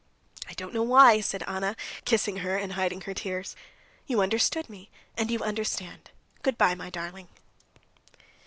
"I don't know why," said Anna, kissing her and hiding her tears. "You understood me, and you understand. Good bye, my darling!"